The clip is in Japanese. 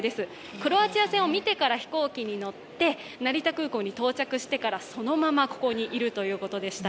クロアチア戦を見てから飛行機に乗って成田空港に到着してからそのままここにいるということでした。